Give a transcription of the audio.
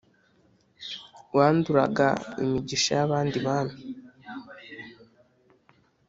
wanduraga imigisha y’abandi bami